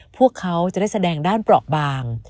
พวกเขาจะได้แสดงด้านเปราะบาง